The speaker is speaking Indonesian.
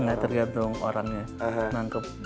enggak tergantung orangnya